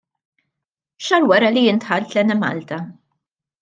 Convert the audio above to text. Xahar wara li jien dħalt l-Enemalta.